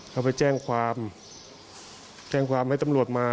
เขาไปแจ้งความแจ้งความให้ตำรวจมา